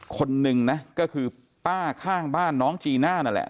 คนหนึ่งนะก็คือป้าข้างบ้านน้องจีน่านั่นแหละ